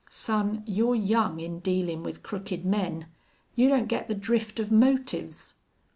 "Son, you're young in dealin' with crooked men. You don't get the drift of motives.